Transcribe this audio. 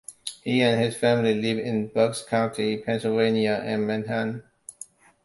He and his family live in Bucks County, Pennsylvania, and Manhattan.